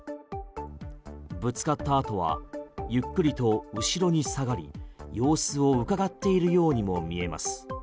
ぶつかった後はゆっくりと後ろに下がり様子をうかがっているようにも見えます。